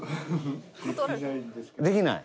できない？